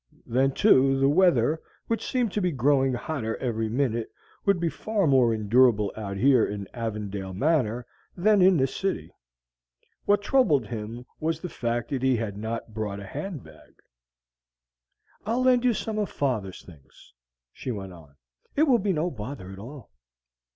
Then, too, the weather, which seemed to be growing hotter every minute, would be far more endurable out here in Avondale Manor than in the city. What troubled him was the fact that he had not brought a handbag. "I'll lend you some of Father's things," she went on. "It will be no bother at all."